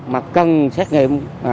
mà cần xét nghiệm